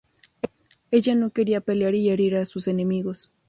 Ella no quería pelear y herir a sus enemigos.